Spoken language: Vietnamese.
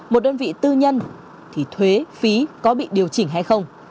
một đơn vị tư nhân thì thuế phí có bị điều chỉnh hay không